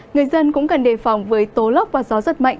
người dân cũng cần đề phòng với tố lốc và gió rất mạnh